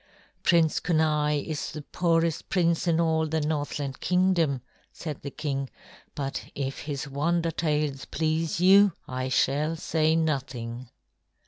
"Prince Kenai is the poorest prince in all the Northland Kingdom," said the king; "but if his wonder tales please you, I shall say nothing."